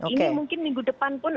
ini mungkin minggu depan pun